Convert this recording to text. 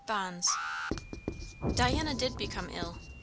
BONDS Diana did become ill.